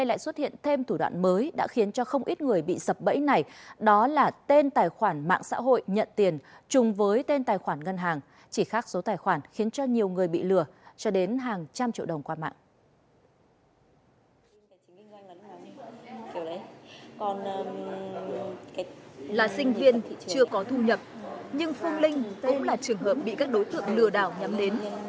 là sinh viên chưa có thu nhập nhưng phương linh cũng là trường hợp bị các đối tượng lừa đảo nhắm đến